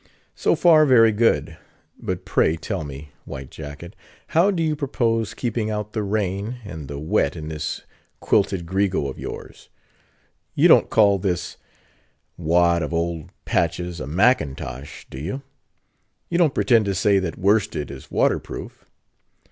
So far, very good; but pray, tell me, White Jacket, how do you propose keeping out the rain and the wet in this quilted grego of yours? You don't call this wad of old patches a Mackintosh, do you?——you don't pretend to say that worsted is water proof?